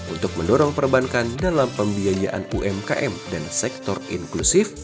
untuk mendorong perbankan dalam pembiayaan umkm dan sektor inklusif